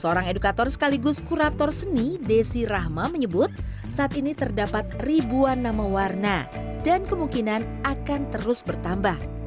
seorang edukator sekaligus kurator seni desi rahma menyebut saat ini terdapat ribuan nama warna dan kemungkinan akan terus bertambah